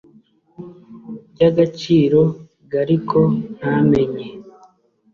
by agaciro g ariko ntamenye